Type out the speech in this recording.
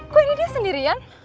kok ini dia sendirian